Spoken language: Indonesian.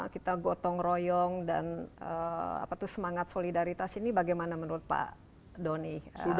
kita gotong royong dan semangat solidaritas ini bagaimana menurut pak doni